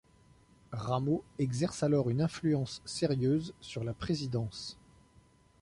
Rameau exerce alors une influence sérieuse sur la présidence.